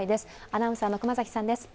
アナウンサーの熊崎さんです。